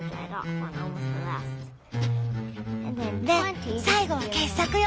で最後は傑作よ。